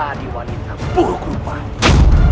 aku harus terbaik